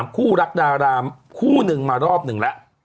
คู่รักดาลามคู่๑มารอบ๑ล่ะ